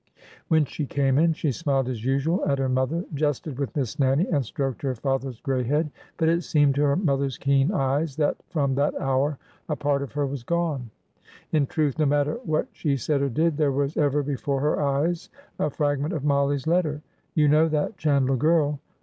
When she came in she smiled as usual at her mother, jested with Miss Nannie, and stroked her father's gray head, but it seemed to her mother's keen eyes that from that hour a part of her was gone. In truth, no matter what she said or did, there was ever before her eyes a fragment of Mollie's letter :'' You know that Chandler girl.